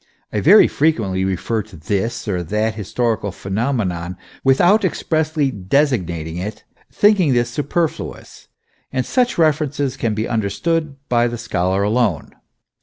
I very frequently refer to this or that historical phenomenon without expressly designating it, thinking this superfluous ; and such references can be under stood by the scholar alone.